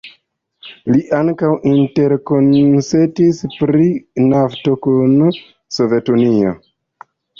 Li ankaŭ interkonsentis pri nafto kun Sovetunio.